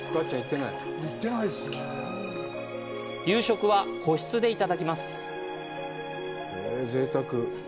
夕食は個室でいただきます。